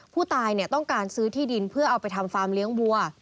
ผู้ตายต้องการซื้อที่ดินเพื่อเอาไปทำฟาร์มเลี้ยงวัว